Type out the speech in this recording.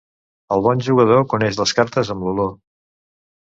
El bon jugador coneix les cartes amb l'olor.